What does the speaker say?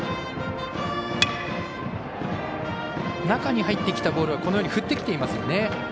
中に入ってきたボールはこのように振ってきていますよね。